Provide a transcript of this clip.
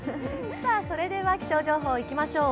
それでは気象情報いきましょう。